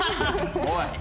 おい！